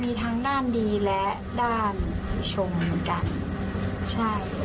มีทั้งด้านดีและด้านชมเหมือนกันใช่